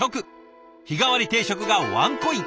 日替わり定食がワンコイン。